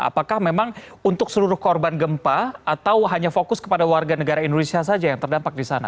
apakah memang untuk seluruh korban gempa atau hanya fokus kepada warga negara indonesia saja yang terdampak di sana